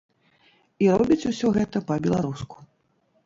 І робіць усё гэта па-беларуску!